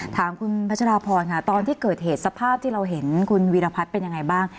ถามคุณพัชราพรค่ะตอนที่เกิดเหตุสภาพที่เราเห็นคุณวีรพัฒน์เป็นยังไงบ้าง